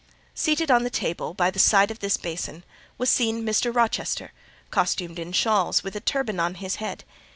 Seated on the carpet, by the side of this basin, was seen Mr. Rochester, costumed in shawls, with a turban on his head.